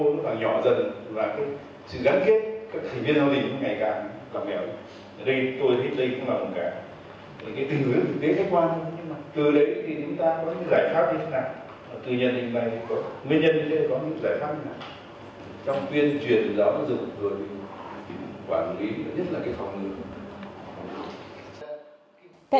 trong tuyên truyền giáo dục quản lý nhất là cái phòng ngữ